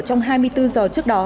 trong hai mươi bốn giờ trước đó